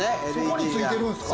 そこに付いてるんですか。